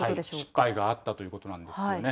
失敗があったということなんですよね。